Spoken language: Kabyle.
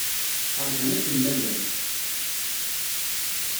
Ṛjan akken ma llan.